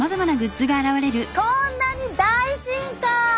こんなに大進化！